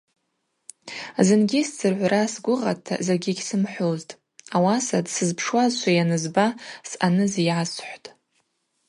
Зынгьи сдзыргӏвра сгвыгъата закӏгьи гьсымхӏвузтӏ, ауаса дсызпшуазшва йанызба съаныз йасхӏвтӏ.